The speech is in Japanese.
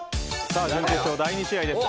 準決勝第２試合です。